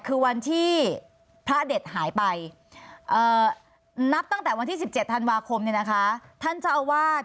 คือวันที่พระอเด็จหายไปเอ่อนับตั้งแต่วันที่สิบเจ็ดธันวาคมเนี้ยนะคะ